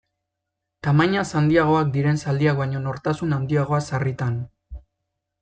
Tamainaz handiagoak diren zaldiak baino nortasun handiagoa sarritan.